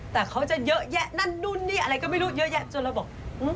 แต่เขาจะเยอะแยะนั่นนู่นนี่อะไรก็ไม่รู้เยอะแยะจนเราบอก